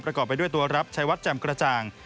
ประกอบไปด้วยตัวรับชายวัดแจ่มกระจาง